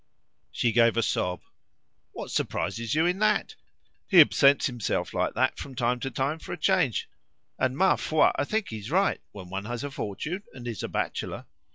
She gave a sob. "What surprises you in that? He absents himself like that from time to time for a change, and, ma foi, I think he's right, when one has a fortune and is a bachelor.